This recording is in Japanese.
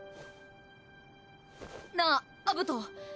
なあアブト